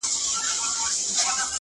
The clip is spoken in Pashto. پر پردي قوت چي وکړي حسابونه -